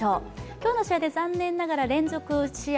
今日の試合で残念ながら連続試合